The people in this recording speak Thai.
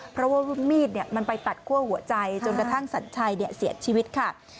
เพราะว่ามีดมันไปตัดคั่วหัวใจจนกระทั่งสัญชัยเสียชีวิตค่ะ